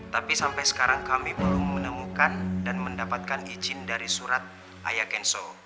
tapi sampai sekarang kami belum menemukan dan mendapatkan izin dari surat aya kenso